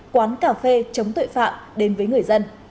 quán cà phê chống tội phạm đến với người dân